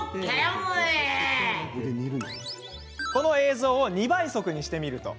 この映像、２倍速にしてみると。